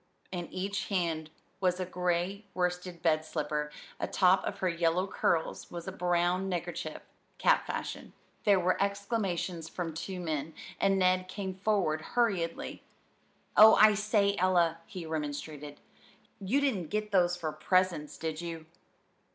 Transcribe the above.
In each hand was a gray worsted bed slipper; atop of her yellow curls was a brown neckerchief, cap fashion. There were exclamations from two men, and Ned came forward hurriedly. "Oh, I say, Ella," he remonstrated, "you didn't get those for presents, did you?"